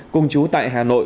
cùng chú tại hà nội